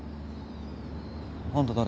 あんた誰？